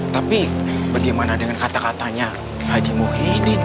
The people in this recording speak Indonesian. tapi bagaimana dengan kata katanya haji muhyiddin